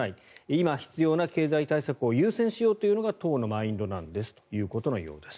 今必要な経済対策を優先しようというのが党のマインドなんですということです。